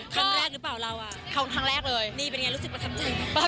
คุณเชียร์ที่ขำพล